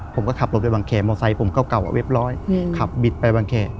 ผมก็ขับรถไปบางแขมอเซ้ผมเก่าเว็บร้อยขับบิดไปบางแข